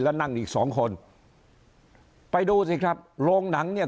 แล้วนั่งอีกสองคนไปดูสิครับโรงหนังเนี่ย